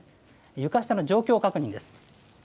床下の状況確認です。